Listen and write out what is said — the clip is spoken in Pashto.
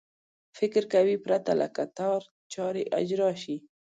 فکر کوي پرته له کتار چارې اجرا شي.